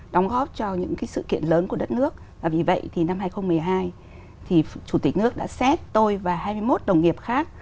đóng góp cho những sự kiện lớn của đất nước vì vậy thì năm hai nghìn một mươi hai thì chủ tịch nước đã xét tôi và hai mươi một đồng nghiệp khác